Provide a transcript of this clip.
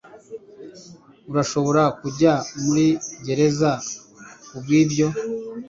urashobora kujya muri gereza kubwibyo